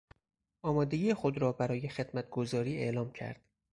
آمادگی خود را برای خدمتگزاری اعلام کرد.